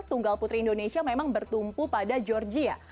tunggal putri indonesia memang bertumpu pada georgia